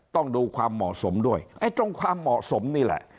ต้องดูความเหมาะสมด้วยไอ้ตรงความเหมาะสมนี่แหละ